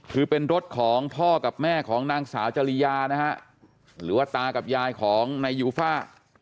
คือเป็นรถของพ่อกับแม่ของนางสาวจริยานะฮะหรือว่าตากับยายของนายยูฟ่า